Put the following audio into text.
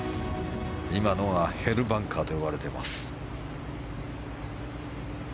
今のはヘルバンカーと呼ばれています。